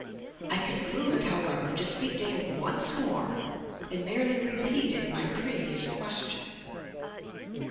I concluded, however, to speak to him once more, and merely repeated my previous question.